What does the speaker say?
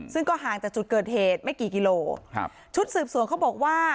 ซึ่งก็ห่างจากจุดเกิดเหตุไม่กี่กิโลครับชุดสืบสวนเขาบอกว่า